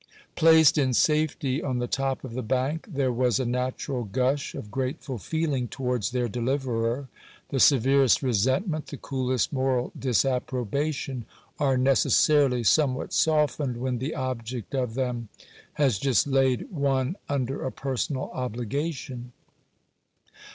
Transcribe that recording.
Placed in safety on the top of the bank, there was a natural gush of grateful feeling towards their deliverer. The severest resentment, the coolest moral disapprobation, are necessarily somewhat softened when the object of them has just laid one under a personal obligation.